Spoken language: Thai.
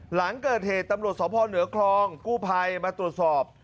หลังเกิดเหตุตำรวจสพเหนือคลองกู้ภัยมาตรวจสอบ